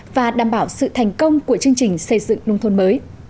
và đảm bảo sự thành công của chương trình xây dựng nông thôn mới